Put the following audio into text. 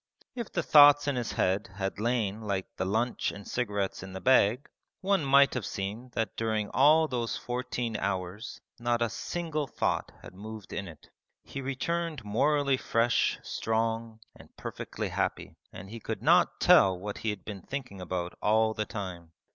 If the thoughts in his head had lain like the lunch and cigarettes in the bag, one might have seen that during all those fourteen hours not a single thought had moved in it. He returned morally fresh, strong, and perfectly happy, and he could not tell what he had been thinking about all the time.